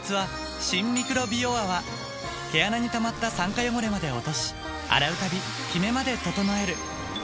その秘密は毛穴にたまった酸化汚れまで落とし洗うたびキメまで整えるＮＥＷ！